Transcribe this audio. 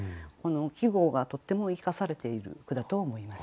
季語がとっても生かされている句だと思います。